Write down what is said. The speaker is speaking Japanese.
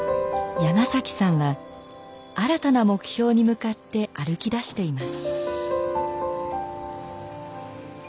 山さんは新たな目標に向かって歩きだしています。